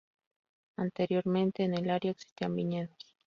Anteriormente, en el área existían viñedos.